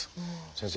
先生